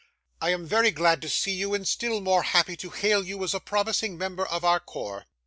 'I am very glad to see you, and still more happy to hail you as a promising member of our corps.